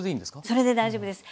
それで大丈夫です。